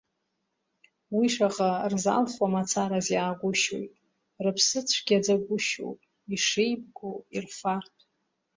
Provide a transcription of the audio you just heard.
Уи шаҟа рзалхуа мацараз иаагәышьоит, рыԥсы цәгьаӡагәышьоуп ишеибгоу ирфартә.